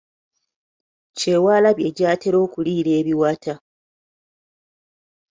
Kyewaalabye gy’atera okuliira ebiwata.